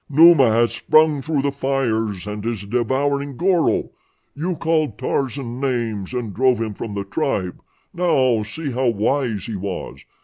Numa has sprung through the fires and is devouring Goro. You called Tarzan names and drove him from the tribe; now see how wise he was.